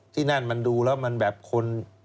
ที่นั่นมันดูแล้วมันแบบคน